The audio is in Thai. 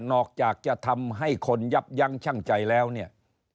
อกจากจะทำให้คนยับยั้งชั่งใจแล้วเนี่ย